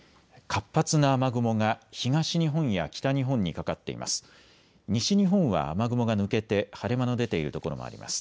活発な雨雲が東日本や北日本にかかっています。